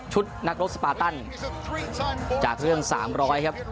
นักรบสปาตันจากเรื่อง๓๐๐ครับ